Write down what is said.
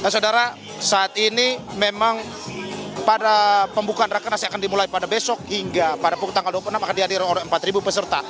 saudara saat ini memang pada pembukaan rakenas yang akan dimulai pada besok hingga pada pukul tanggal dua puluh enam akan dihadir oleh empat peserta